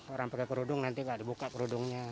orang pakai kerudung nanti nggak dibuka kerudungnya